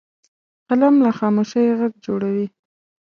قلم له خاموشۍ غږ جوړوي